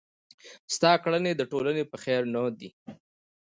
ستا کړني د ټولني په خير نه دي.